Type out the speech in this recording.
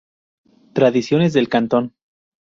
Tradiciones del cantón.